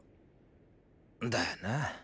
だよな。